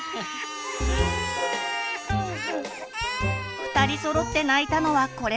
２人そろって泣いたのはこれが初めて。